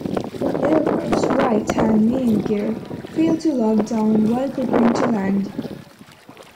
The aircraft's right-hand main gear failed to lock down while preparing to land.